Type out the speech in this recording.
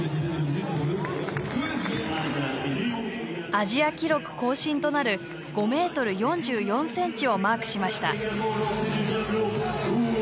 アジア記録更新となる５ｍ４４ｃｍをマークしました。